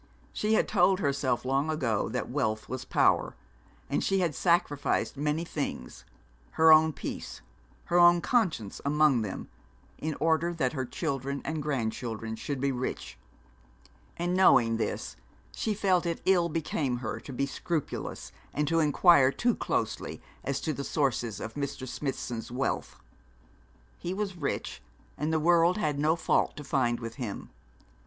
She had told herself long ago that wealth was power, and she had sacrificed many things, her own peace, her own conscience among them, in order that her children and grandchildren should be rich; and, knowing this, she felt it ill became her to be scrupulous, and to inquire too closely as to the sources of Mr. Smithson's wealth. He was rich, and the world had no fault to find with him.